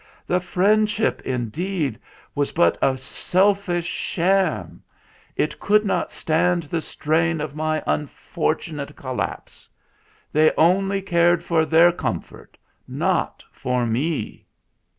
The friendship, in deed, was but a selfish sham. It could not 164 THE FLINT HEART stand the strain of my unfortunate collapse. They only cared for their comfort, not for me.